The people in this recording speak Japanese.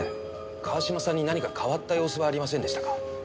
川島さんに何か変わった様子はありませんでしたか？